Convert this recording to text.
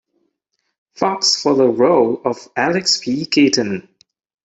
Fox for the role of Alex P. Keaton.